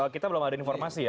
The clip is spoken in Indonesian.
kita belum ada informasi ya